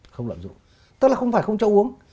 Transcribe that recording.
không lạm dụng tức là không phải không cho uống